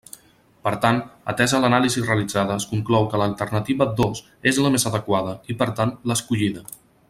Per tant, atesa l'anàlisi realitzada, es conclou que l'alternativa dos és la més adequada, i, per tant, l'escollida.